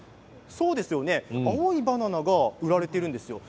青いバナナが売られているんですよ。